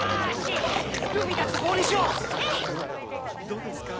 どうですか？